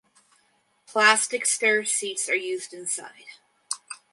Plastic Ster seats are used inside.